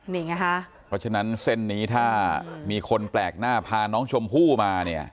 นี่ไงค่ะเพราะฉะนั้นเส้นนี้ถ้ามีคนแปลกหน้าพาน้องชมพู่มาเนี่ย